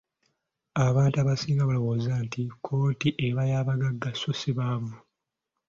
Abantu abasinga balowooza nti kkooti eba y'abagagga so si baavu.